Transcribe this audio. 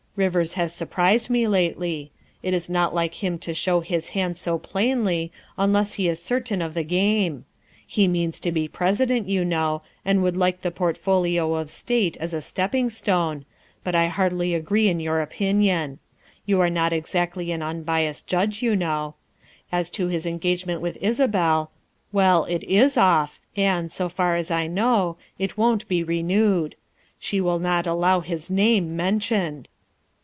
" Rivers has surprised me lately. It is not like him to show his hand so plainly unless he is certain of the game. He means to be President, you know, and would like the Portfolio of State as a stepping stone, but I hardly agree in your opinion; you are not exactly an unbiassed judge, you know. As to his engagement with Isabel, well, it is off, and, so far as I know, it won't be renewed. She will not allow his name mentioned."